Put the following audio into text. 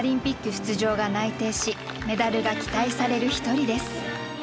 出場が内定しメダルが期待される一人です。